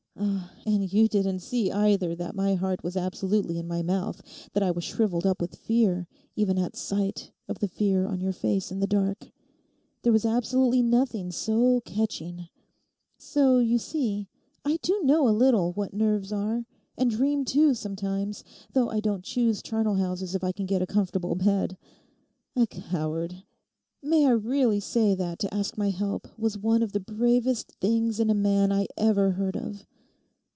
Ah, and you didn't see either that my heart was absolutely in my mouth, that I was shrivelled up with fear, even at sight of the fear on your face in the dark. There's absolutely nothing so catching. So, you see, I do know a little what nerves are; and dream too sometimes, though I don't choose charnelhouses if I can get a comfortable bed. A coward! May I really say that to ask my help was one of the bravest things in a man I ever heard of.